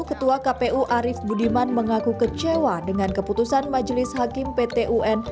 ketua kpu arief budiman mengaku kecewa dengan keputusan majelis hakim pt un